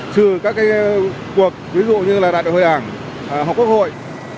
trừ các cái cuộc ví dụ như là đạt đội hội ảnh học quốc hội